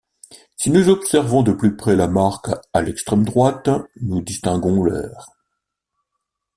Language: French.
Si nous observons de plus près la marque à l´extrême droite, nous distinguons l´heure.